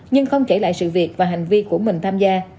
nhưng không kể lại sự việc và hành vi của mình tham gia